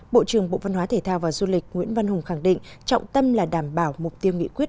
bộ trưởng bộ văn hóa thể thao và du lịch nguyễn văn hùng khẳng định trọng tâm là đảm bảo mục tiêu nghị quyết